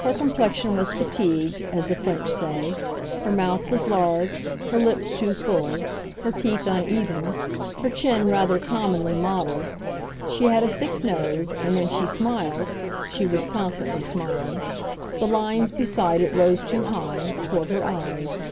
Her complexion was fatigued, as the French say; her mouth was large, her lips too full, her teeth uneven, her chin rather commonly modeled; she had a thick nose, and when she smiled—she was constantly smiling—the lines beside it rose too high, toward her eyes.